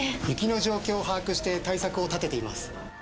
雪の状況を把握して対策を立てています。